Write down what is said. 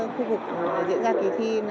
khu vực diễn ra kỳ thi